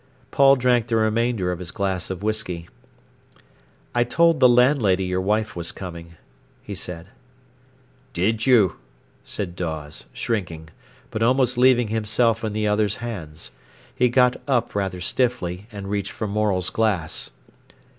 Paul drank the remainder of his glass of whisky. "I told the landlady your wife was coming," he said. "Did you?" said Dawes, shrinking, but almost leaving himself in the other's hands. He got up rather stiffly, and reached for Morel's glass.